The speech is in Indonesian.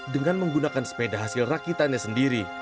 dengan menggunakan sepeda hasil rakitannya sendiri